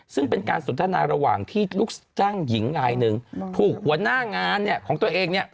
ซึ่งเป็นการสนทนาระหว่างที่ลูกจ้างหญิงนายหนึ่งถูกหัวหน้างานเนี่ยของตัวเองเนี่ย